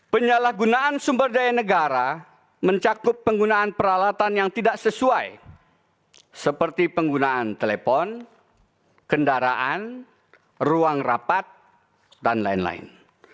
penyalahgunaan sumber daya negara mencakup penggunaan peralatan yang tidak sesuai seperti penggunaan telepon kendaraan ruang rapat dan lain lain